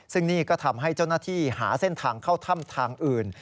ซึ่งนี่ก็ทำให้เจ้าหน้าที่หาเส้นทางเข้าถ้ำทางอื่น